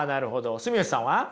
住吉さんは？